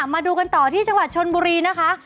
มาดูกันต่อที่จังหวัดชนบุรีนะคะ